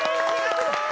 すごい。